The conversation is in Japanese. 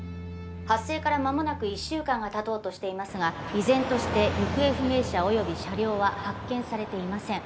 発生から間もなく１週間がたとうとしていますが依然として行方不明者および車両は発見されていません